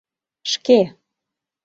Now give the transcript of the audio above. — Шке.